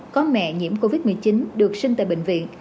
có mẹ nhiễm covid một mươi chín được sinh tại bệnh viện